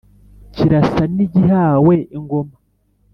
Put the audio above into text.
kirasa n'igihawe ingoma,